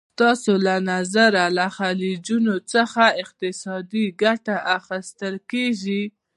ستاسو له نظره له خلیجونو څخه اقتصادي ګټه اخیستل کېږي؟